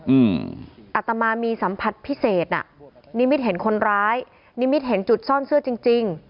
อืมอัตมามีสัมผัสพิเศษน่ะนิมิตเห็นคนร้ายนิมิตเห็นจุดซ่อนเสื้อจริงจริง